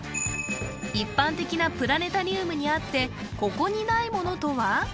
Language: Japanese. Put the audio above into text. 一般的なプラネタリウムにあってここにないものとは？